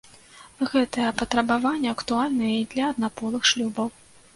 Гэтае патрабаванне актуальнае і для аднаполых шлюбаў.